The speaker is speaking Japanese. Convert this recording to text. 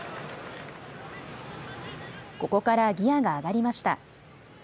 ここからギアが上がりました。